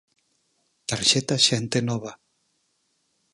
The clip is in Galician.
Tarxeta Xente Nova.